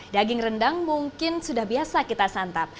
daging rendang mungkin sudah biasa kita santap